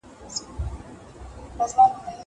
زه به سبا سفر کوم!